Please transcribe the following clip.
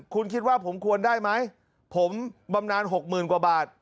คุณคิดว่าผมควรได้ไหมผมบำนานหกหมื่นกว่าบาท